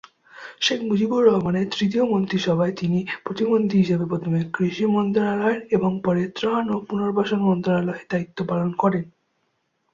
শেখ মুজিবুর রহমানের তৃতীয় মন্ত্রিসভায় তিনি প্রতিমন্ত্রী হিসেবে প্রথমে কৃষি মন্ত্রণালয়ের এবং পরে ত্রাণ ও পুনর্বাসন মন্ত্রণালয়ে দায়িত্ব পালন করেন।